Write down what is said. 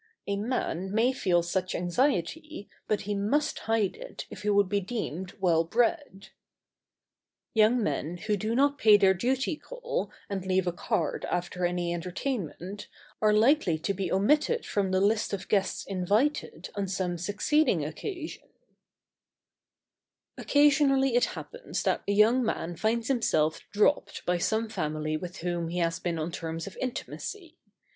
A man may feel such anxiety, but he must hide it if he would be deemed well bred. Young men who do not pay their duty call and leave a card after any entertainment, are likely to be omitted from the list of guests invited on some succeeding occasion. [Sidenote: When a man finds himself "dropped."] Occasionally it happens that a young man finds himself "dropped" by some family with whom he has been on terms of intimacy.